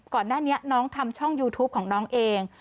ก่อนหน้านี้น้องทำช่องยูทูปของน้องเอง